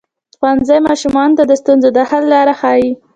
ښوونځی ماشومانو ته د ستونزو د حل لاره ښيي.